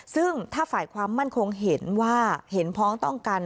ซึ่งถ้าฝ่ายความมั่นคงเห็นว่าเห็นพ้องต้องกัน